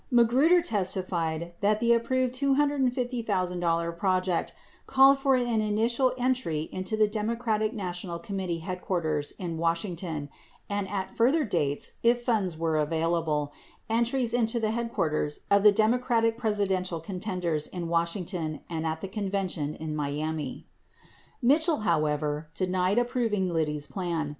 95 Magruder testified that the approved $250,000 project called for an initial entry into the Democratic Na tional Committee headquarters in Washington and, at further dates if funds were available, entries into the headquarters of the Democratic Presidential contenders in Washington and at the convention in Miami. 96 Mitchell, however, denied approving the Liddy plan.